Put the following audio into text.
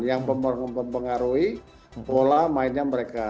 yang mempengaruhi pola mainnya mereka